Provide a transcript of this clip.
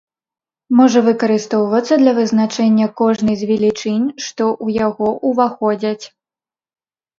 Можа выкарыстоўвацца для вызначэння кожнай з велічынь, што ў яго ўваходзяць.